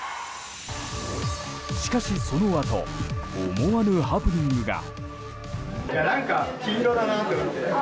しかし、そのあと思わぬハプニングが。